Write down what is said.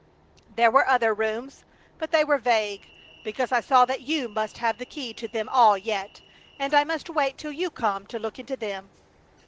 There were other rooms, but they were vague, because I saw that you must have the key to them all yet, and I must wait till you come, to look into them.